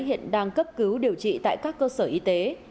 hiện đang cấp cứu điều trị tại các cơ sở y tế